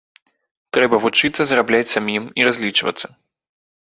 Трэба вучыцца зарабляць самім і разлічвацца.